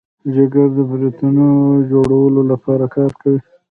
جگر د پروټینونو د جوړولو لپاره کار کوي.